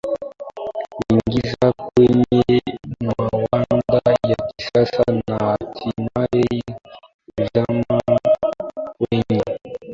kuingia kwenye mawanda ya Kisiasa na hatimae kuzama kwenye ulimwengu wa wanataaluma akiwa kiongozi